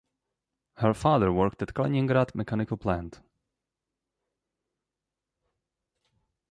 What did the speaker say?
Her father worked at Kaliningrad Mechanical Plant.